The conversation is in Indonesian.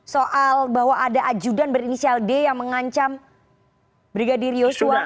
soal bahwa ada ajudan berinisial d yang mengancam brigadir yosua